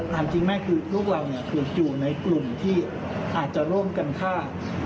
ถามจริงแม่คือลูกเราอยู่ในกลุ่มที่อาจจะร่วมกันฆ่า